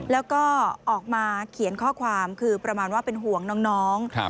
แล้วก็ออกมาเขียนข้อความคือประมาณว่าเป็นห่วงน้อง